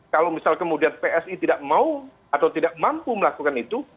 kalau misal kemudian psi tidak mau atau tidak mampu melakukan itu